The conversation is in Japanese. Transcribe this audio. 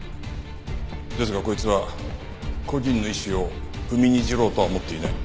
ですがこいつは故人の遺志を踏みにじろうとは思っていない。